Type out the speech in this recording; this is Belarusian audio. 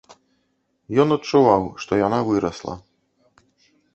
Ён адчуваў, што яна вырасла.